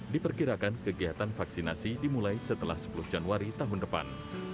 diperkirakan kegiatan vaksinasi dimulai setelah sepuluh januari tahun depan